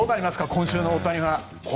今週の大谷は。